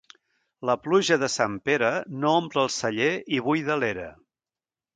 La pluja de Sant Pere no omple el celler i buida l'era.